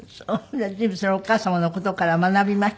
じゃあ随分それお母様の事から学びましたね。